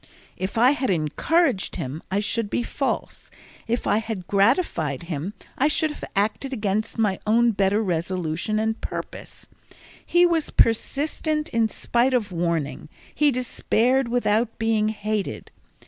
If I had encouraged him, I should be false; if I had gratified him, I should have acted against my own better resolution and purpose. He was persistent in spite of warning, he despaired without being hated.